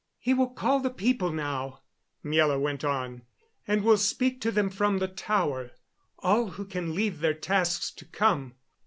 "He will call the people now," Miela went on, "and will speak to them from the tower all who can leave their tasks to come.